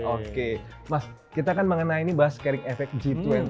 oke mas kita kan mengenai ini bahas scaring efek g dua puluh